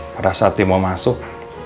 pada saat dia mau masuk